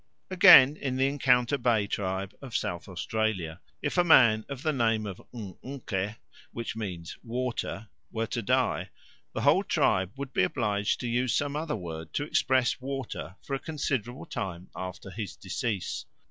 Again, in the Encounter Bay tribe of South Australia, if a man of the name of Ngnke, which means "water," were to die, the whole tribe would be obliged to use some other word to express water for a considerable time after his decease.